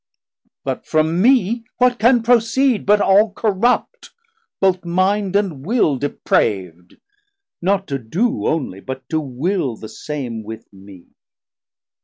But from mee what can proceed, But all corrupt, both Mind and Will deprav'd, Not to do onely, but to will the same With me?